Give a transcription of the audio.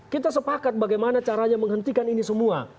kita sepakat bagaimana caranya menghentikan ini semua